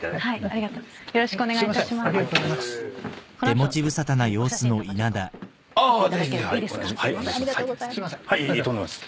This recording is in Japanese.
ありがとうございます。